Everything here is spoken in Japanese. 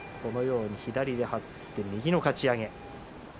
左で張って右のかち上げ。